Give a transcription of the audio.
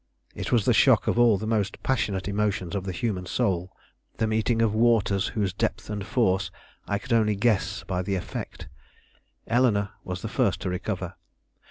It was the shock of all the most passionate emotions of the human soul; the meeting of waters of whose depth and force I could only guess by the effect. Eleanore was the first to recover.